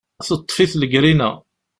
Teṭṭef-it legrina.